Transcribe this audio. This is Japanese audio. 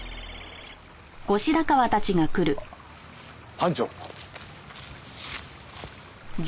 班長。